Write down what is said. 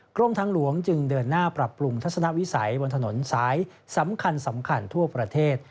กรมทางหลวงจึงเดินหน้าปรับปรุงทัศนวิสัยบนถนนสายสำคัญสำคัญทั่วประเทศ